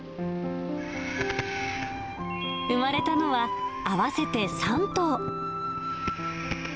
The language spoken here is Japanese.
産まれたのは合わせて３頭。